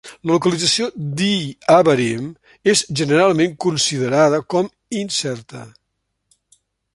La localització d'Iye Abarim és generalment considerada com incerta.